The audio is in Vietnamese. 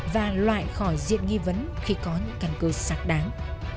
và loại khỏi diện nghi vấn khi có những căn cứ sạc đáng